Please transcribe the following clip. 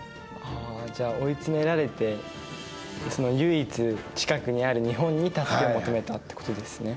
じゃあ追い詰められて唯一近くにある日本に助けを求めたってことですね。